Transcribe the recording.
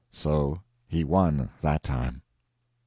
So he won, that time.